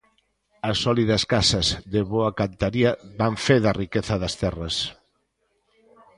As sólidas casas, de boa cantaría, dan fe da riqueza das terras.